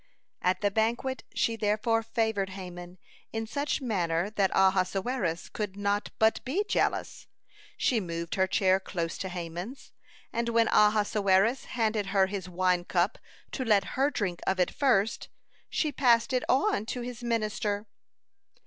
(151) At the banquet she therefore favored Haman in such manner that Ahasuerus could not but be jealous. She moved her chair close to Haman's, and when Ahasuerus handed her his wine cup, to let her drink of it first, she passed it on to his minister.